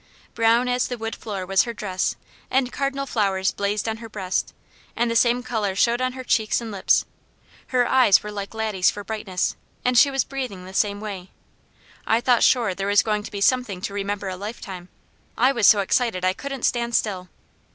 Brown as the wood floor was her dress, and cardinal flowers blazed on her breast, and the same colour showed on her cheeks and lips. Her eyes were like Laddie's for brightness, and she was breathing the same way. I thought sure there was going to be something to remember a lifetime I was so excited I couldn't stand still.